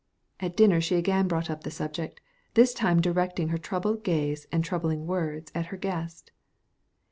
At dinner she again brought up the subject, this time directing her troubled gaze and troubling words at her guest.